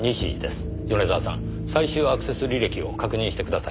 米沢さん最終アクセス履歴を確認してください。